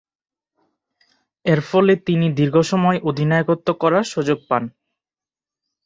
এরফলে তিনি দীর্ঘসময় অধিনায়কত্ব করার সুযোগ পান।